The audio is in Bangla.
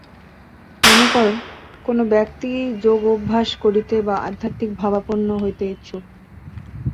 মনে কর, কোন ব্যক্তি যোগ অভ্যাস করিতে বা আধ্যাত্মিকভাবাপন্ন হইতে ইচ্ছুক।